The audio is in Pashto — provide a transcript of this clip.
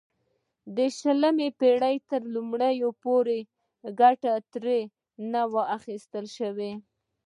د شلمې پېړۍ تر لومړیو پورې ګټه ترې نه وه اخیستل شوې.